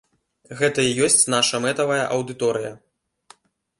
Гэта і ёсць наша мэтавая аўдыторыя.